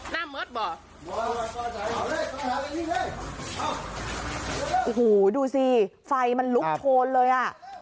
น่าเมาส์บ่หูหูดูสิไฟมันลุกโทนเลยราว